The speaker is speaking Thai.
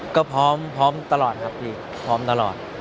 ก็พร้อมตลอดครับพี่พร้อมตลอด